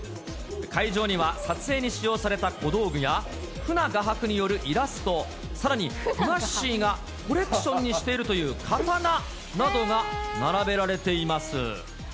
会場には撮影に使用された小道具や、ふな画伯によるイラスト、さらにふなっしーがコレクションにしているという刀などが並べられています。